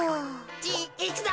じいいくぞ。